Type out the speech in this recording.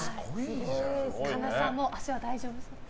神田さんもう足は大丈夫ですか？